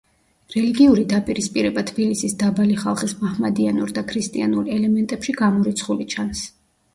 რელიგიური დაპირისპირება თბილისის „დაბალი ხალხის“ მაჰმადიანურ და ქრისტიანულ ელემენტებში გამორიცხული ჩანს.